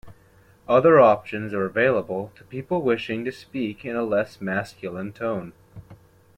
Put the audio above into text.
Other options are available to people wishing to speak in a less masculine tone.